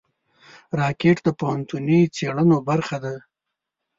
راکټ د پوهنتوني څېړنو برخه ده